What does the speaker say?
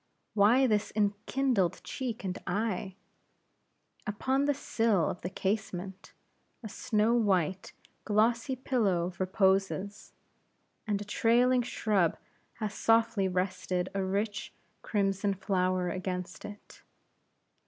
Why this enkindled cheek and eye? Upon the sill of the casement, a snow white glossy pillow reposes, and a trailing shrub has softly rested a rich, crimson flower against it.